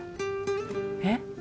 えっ？